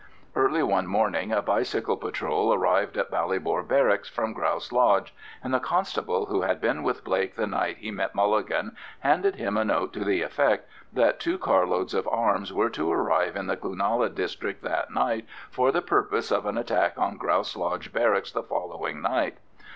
Early one morning a bicycle patrol arrived at Ballybor Barracks from Grouse Lodge, and the constable who had been with Blake the night he met Mulligan handed him a note to the effect that two car loads of arms were to arrive in the Cloonalla district that night for the purpose of an attack on Grouse Lodge Barracks the following night.